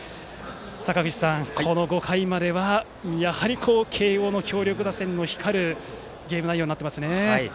坂口さん、この５回まではやはり慶応の強力打線が光るゲーム内容ですね。